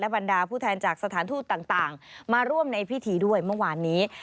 บรรดาผู้แทนจากสถานทูตต่างมาร่วมในพิธีด้วยเมื่อวานนี้